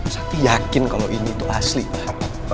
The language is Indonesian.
sakti yakin kalau ini tuh asli pak